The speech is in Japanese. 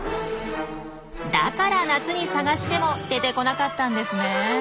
だから夏に探しても出てこなかったんですね。